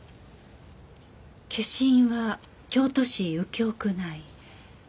消印は京都市右京区内。